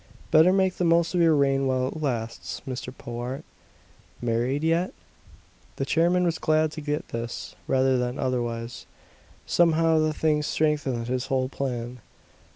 Better make the most of your reign while it lasts, Mr. Powart. Married yet? The chairman was glad to get this, rather than otherwise. Somehow the thing strengthened his whole plan.